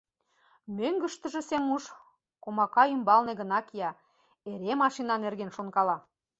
Мӧҥгыштыжӧ Семуш комака ӱмбалне гына кия, эре машина нерген шонкала.